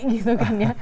gitu kan ya